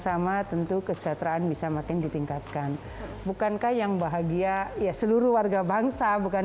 sama tentu kesejahteraan bisa makin ditingkatkan bukankah yang bahagia ya seluruh warga bangsa bukan